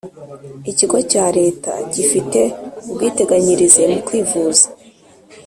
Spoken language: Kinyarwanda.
ikigo cya leta gifite ubwiteganyirize mu kwivuza